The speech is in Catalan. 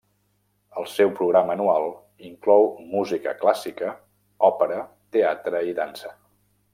El seu programa anual inclou música clàssica, òpera, teatre i dansa.